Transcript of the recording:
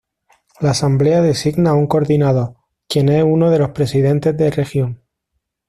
La asamblea designa a un coordinador, quien es uno de los presidentes de región.